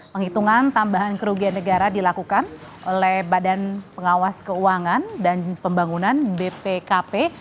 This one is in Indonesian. penghitungan tambahan kerugian negara dilakukan oleh badan pengawas keuangan dan pembangunan bpkp